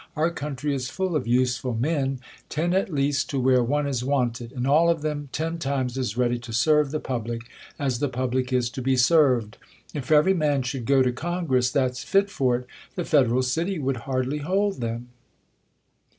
Our C€untry is full of useful men ;, ten, at I THE COLUMBIAN ORATOR. 73 l/eaist, to where one is wanted, and all of them ten jtimes as ready to serve the public, as the public is to 'be served. If every man should go to Congress that's !lit f®r it, the federal city would hardly hold them.